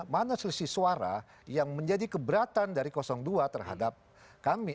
mana selisih suara yang menjadi keberatan dari dua terhadap kami